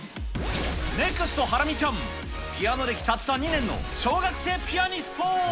ネクストハラミちゃん、ピアノ歴たった２年の小学生ピアニスト。